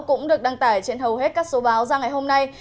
cũng được đăng tải trên hầu hết các số báo ra ngày hôm nay